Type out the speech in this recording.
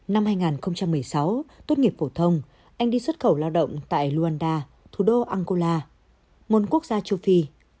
năm hai nghìn một mươi sáu tốt nghiệp phổ thông anh đi xuất khẩu lao động tại luwanda thủ đô angola một quốc gia châu phi